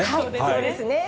そうですね。